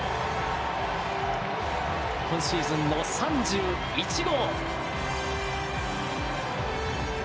今シーズンの３１号！